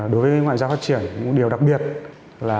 đối với ngoại giao phát triển một điều đặc biệt là